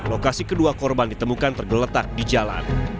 lokasi kedua korban ditemukan tergeletak di jalan